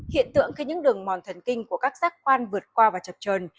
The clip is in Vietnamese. hiện tượng khi những đường mòn thần kinh của các giác khoan vượt qua và chập trờn